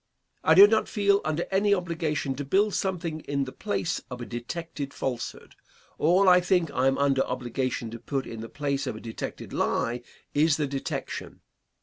I do not feel under any obligation to build something in the place of a detected falsehood. All I think I am under obligation to put in the place of a detected lie is the detection.